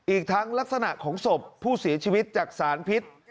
อีกทั้งลักษณะของศพผู้เสียชีวิตจากสารพิษ